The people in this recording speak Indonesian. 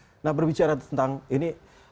nah berbicara tentang ini